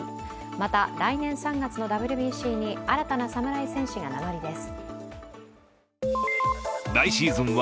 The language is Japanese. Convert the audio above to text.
また来年３月のＷＢＣに新たなサムライ戦士が名乗りです。